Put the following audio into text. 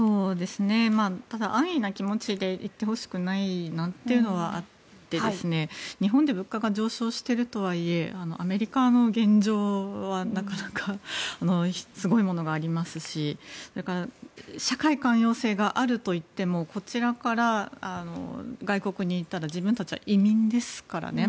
ただ、安易な気持ちで行ってほしくないなというのはあって日本で物価が上昇しているとはいえアメリカの現状はなかなかすごいものがありますし社会寛容性があるといってもこちらから外国に行ったら自分たちは移民ですからね。